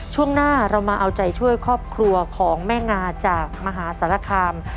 ช่วงหน้าเรามาเอาใจช่วยครอบครัวของแม่งาจากมหาสารคาม